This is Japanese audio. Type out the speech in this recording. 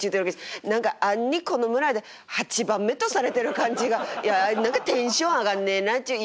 何か暗にこの村で８番目とされてる感じがいや何かテンション上がんねえなっちゅう。